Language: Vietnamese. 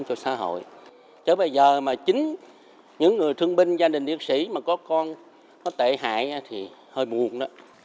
cho bây giờ mà chính những người thương binh gia đình liệt sĩ mà có con tệ hại thì hơi buồn đó